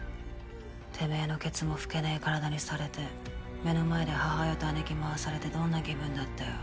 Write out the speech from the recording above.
てめぇのケツも拭けねぇ体にされて目の前で母親と姉貴まわされてどんな気分だったよ。